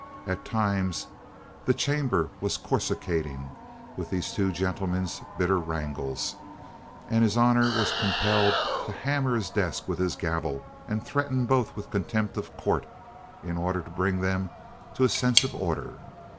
At times the chamber was coruscating with these two gentlemen's bitter wrangles, and his honor was compelled to hammer his desk with his gavel, and to threaten both with contempt of court, in order to bring them to a sense of order.